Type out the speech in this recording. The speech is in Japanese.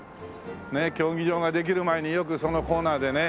ねえ競技場ができる前によくそのコーナーでね